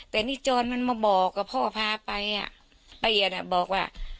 แต่นี่โจรมันมาบอกกับพ่อพาไปอ่ะป้าเอียดอ่ะบอกว่า